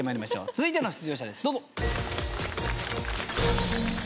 続いての出場者ですどうぞ。